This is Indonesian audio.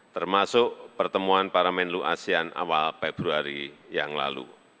termasuk pertemuan para menlu asean awal februari yang lalu